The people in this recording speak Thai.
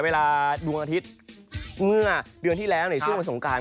เวลาดวงอาทิตย์เมื่อเดือนที่แล้วในช่วงวันสงการ